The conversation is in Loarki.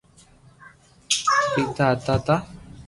ڀآٺا ھتا تا